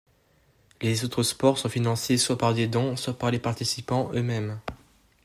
Les autres sports sont financés soit par des dons, soit par les participants eux-mêmes.